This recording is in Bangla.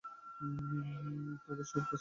তবে সব কাজ একরকম নয়।